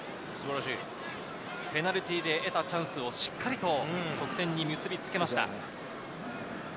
ペナルティーで得たチャンスをしっかりと得点に結びつけました。